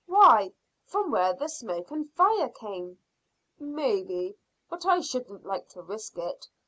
Why, from where the smoke and fire came." "Maybe, but I shouldn't like to risk it.